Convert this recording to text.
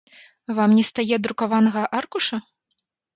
Вам не стае друкаванага аркуша?